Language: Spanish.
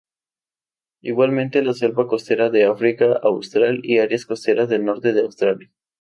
Igualmente la selva costera del África austral y áreas costeras del norte de Australia.